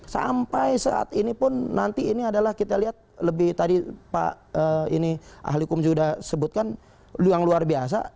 sampai saat ini pun nanti ini adalah kita lihat lebih tadi pak ini ahli hukum sudah sebutkan yang luar biasa